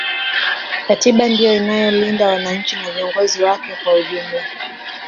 katiba ndiyo inayolinda wananchi na viongozi wake kwa ujumla